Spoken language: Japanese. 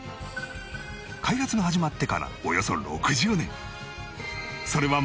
開発が始まってからおよそ６０年